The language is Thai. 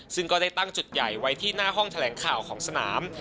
ซึ่งก็ได้ตั้งจุดใหญ่ไว้ที่หน้าห้องแถลงข่าวของสนาม